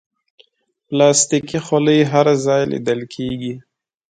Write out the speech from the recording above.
پلاستيکي خولۍ هر ځای لیدل کېږي.